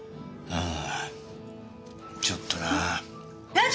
ああちょっとな。えっ！？